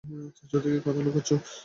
চাচ্চু থেকে কথা লুকাচ্ছো?